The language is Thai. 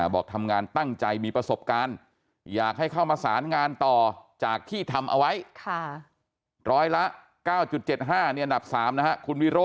บอกทำงานตั้งใจมีประสบการณ์อยากให้เข้ามาสารงานต่อจากที่ทำเอาไว้